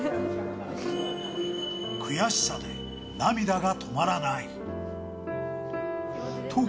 悔しさで涙が止まらない。